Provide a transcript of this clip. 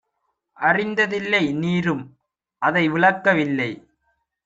அறிந்ததில்லை; நீரும்அதை விளக்க வில்லை.